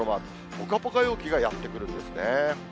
ぽかぽか陽気がやって来るんですね。